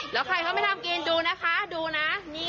มันก็ทำร้ายกูทำไม